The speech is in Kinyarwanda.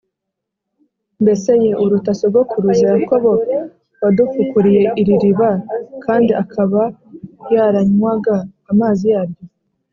Mbese ye uruta sogokuruza Yakobo, wadufukuriye iri riba, kandi akaba yaranywaga amazi yaryo?